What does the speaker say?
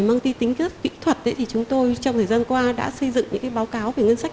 mang tinh thức kỹ thuật chúng tôi trong thời gian qua đã xây dựng những báo cáo về ngân sách